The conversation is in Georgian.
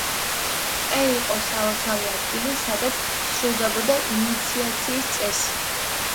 ტყე იყო სალოცავი ადგილი, სადაც სრულდებოდა ინიციაციის წესი.